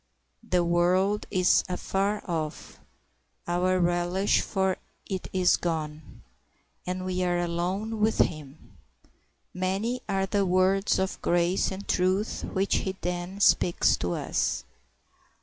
The world is afar off, our relish for it is gone, and we are alone with Him. Many are the words of grace and truth which he then speaks to us.